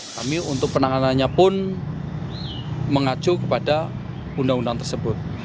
kami untuk penanganannya pun mengacu kepada undang undang tersebut